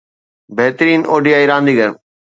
بهترين ODI رانديگر